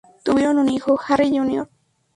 Tuvieron un hijo, Harry Jr.